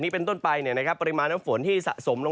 ขนต้นเรื่อยไหม้แล้ว